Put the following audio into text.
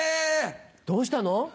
どうしたの？